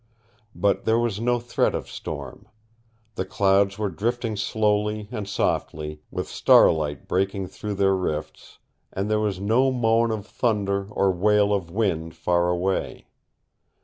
But there was no threat of storm. The clouds were drifting slowly and softly, with starlight breaking through their rifts, and there was no moan of thunder or wail of wind far away.